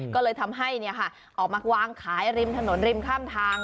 ก็เลยทำให้ออกมาวางขายริมถนนริมข้ามทาง